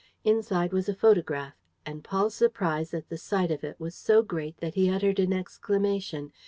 Inside was a photograph; and Paul's surprise at the sight of it was so great that he uttered an exclamation.